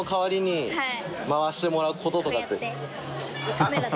カメラで？